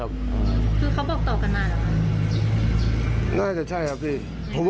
คือเขาบอกต่อกันหน้าหรือครับ